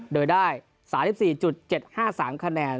โดยได้๓๔๗๕๓คะแนน